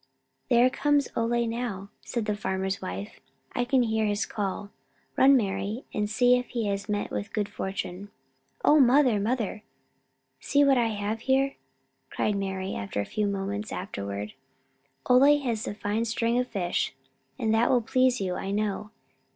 "There comes Ole, now," said the farmer's wife. "I can hear his call. Run, Mari, and see if he has met with good fortune." "O, mother, mother, see what I have here," cried Mari, a few moments afterward. "Ole has a fine string of fish, and that will please you, I know.